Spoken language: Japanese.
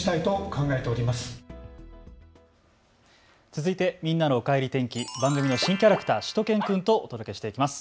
続いてみんなのおかえり天気、番組の新キャラクターしゅと犬くんとお伝えしていきます。